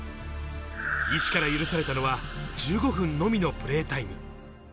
医師から許されたのは１５分のみのプレータイム。